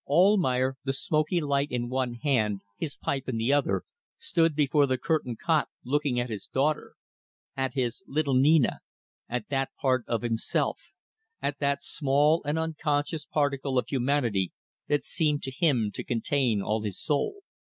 Almayer, the smoky light in one hand, his pipe in the other, stood before the curtained cot looking at his daughter at his little Nina at that part of himself, at that small and unconscious particle of humanity that seemed to him to contain all his soul.